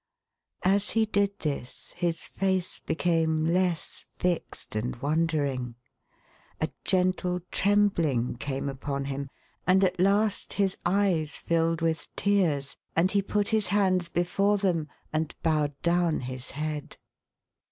As he did this, his face became less fixed and Avondering ; a gentle trembling came upon him ; and at last his eyes filled with tears, and he put his hands before them, and bowed down his head.